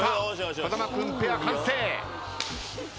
風間君ペア完成。